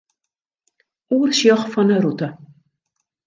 Oersjoch fan 'e rûte.